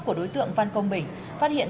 của đối tượng văn công bỉnh phát hiện